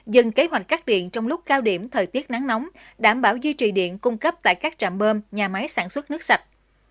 dừng kế hoạch cắt điện trong lúc cao điểm thời tiết nắng nóng đảm bảo duy trì điện cung cấp tại các trạm bơm nhà máy sản xuất nước sạch